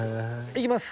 行きます。